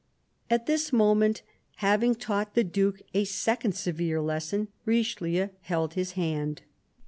At this moment, having taught the Duke a second severe lesson, Richelieu held his hand.